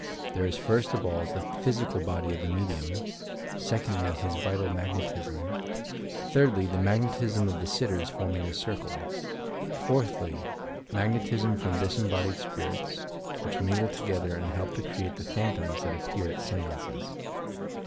There is first of all the physical body of the medium, secondly hia vital magnetism, thirdly the magnetism of the sitters form ing the circle, fourthly, magnetism from disembodied spirits, which mingle together and help to create the phantoms that appear at seances.